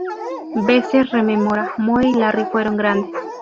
Besser rememora, "Moe y Larry fueron grandes.